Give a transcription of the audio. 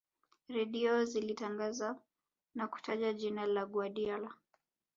redio zilitangaza na kutaja jina la guardiola